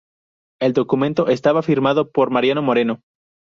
El documento estaba "firmado" por Mariano Moreno.